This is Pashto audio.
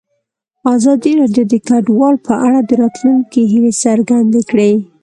ازادي راډیو د کډوال په اړه د راتلونکي هیلې څرګندې کړې.